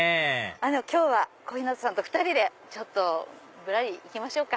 今日は小日向さんと２人でぶらり行きましょうか。